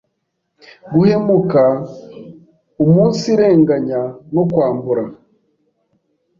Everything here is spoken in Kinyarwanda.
guhemuka, umunsirenganya no kwambura,